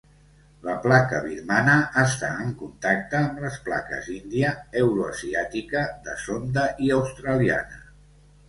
La placa birmana està en contacte amb les plaques índia, eurasiàtica, de Sonda i australiana.